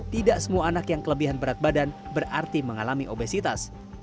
tidak semua anak yang kelebihan berat badan berarti mengalami obesitas